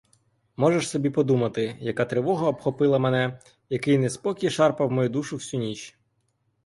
Можеш собі подумати, яка тривога обхопила мене, який неспокій шарпав мою душу всю ніч.